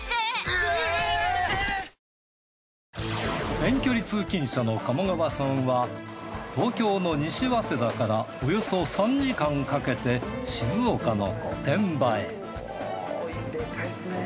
遠距離通勤者の鴨川さんは東京の西早稲田からおよそ３時間かけて静岡の御殿場へ。